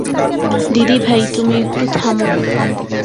দিদিভাই, তুমি একটু থামো।